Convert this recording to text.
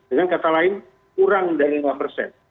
dengan kata lain kurang dari lima